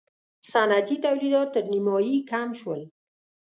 صنعتي تولیدات تر نییمایي کم شول.